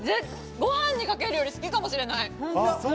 ご飯にかけるより好きかもしれない。